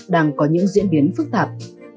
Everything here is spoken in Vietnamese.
đang có những diễn biến phức tạp